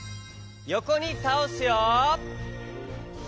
よこにたおすよ。